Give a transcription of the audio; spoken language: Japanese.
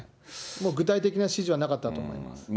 もう具体的な指示はなかったと思います。